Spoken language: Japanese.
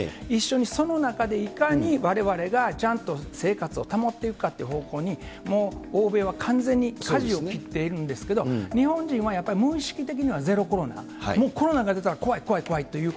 一緒にその中でいかにわれわれがちゃんと生活を保っていくかという方向に、もう欧米は完全にかじを切っているんですけれども、日本人はやっぱり無意識的にはもうゼロコロナ、もうコロナが出たら怖い怖いって。